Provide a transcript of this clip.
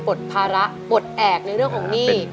ภาระปลดแอบในเรื่องของหนี้